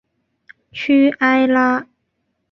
屈埃拉。